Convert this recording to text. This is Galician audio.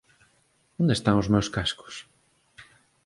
Onde están os meus cascos?